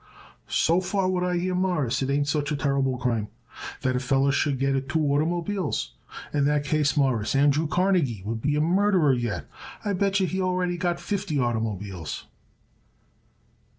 "So far what I hear it, Mawruss, it ain't such a terrible crime that a feller should got it two oitermobiles. In that case, Mawruss, Andrew Carnegie would be a murderer yet. I bet yer he got already fifty oitermobiles."